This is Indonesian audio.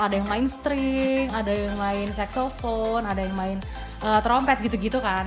ada yang main string ada yang main seks telepon ada yang main trompet gitu gitu kan